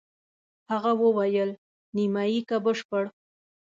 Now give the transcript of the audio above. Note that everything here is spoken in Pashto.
هغه وویل: نیمایي که بشپړ؟